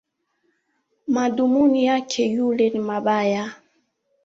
Madhumuni yake yule ni mabaya